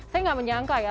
saya tidak menyangka ya